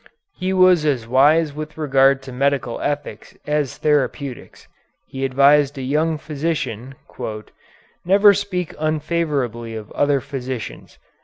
He was as wise with regard to medical ethics as therapeutics. He advised a young physician, "Never speak unfavorably of other physicians.